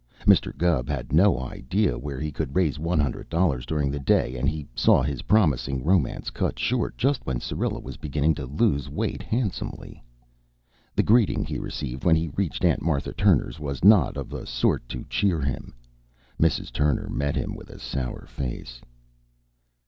Mr. Gubb had no idea where he could raise one hundred dollars during the day and he saw his promising romance cut short just when Syrilla was beginning to lose weight handsomely. The greeting he received when he reached Aunt Martha Turner's was not of a sort to cheer him. Mrs. Turner met him with a sour face.